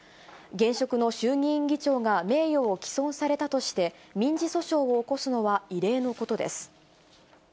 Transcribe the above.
現職の衆議院議長が名誉を棄損されたとして、民事訴訟を起こすのは異例のことです。